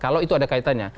kalau itu ada kaitannya